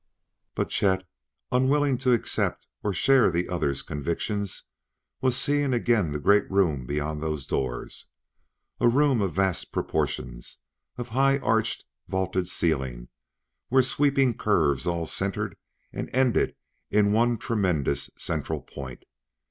But Chet, unwilling to accept or share the other's convictions, was seeing again the great room beyond those doors a room of vast proportions; of high arched, vaulted ceiling where sweeping curves all centered and ended in one tremendous central point.